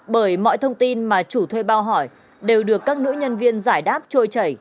bởi mọi thông tin mà chủ thuê bao hỏi đều được các nữ nhân viên giải đáp trôi chảy